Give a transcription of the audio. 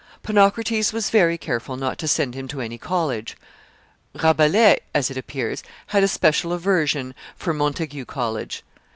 Ponocrates was very careful not to send him to any college. Rabelais, as it appears, had a special aversion for Montaigu College.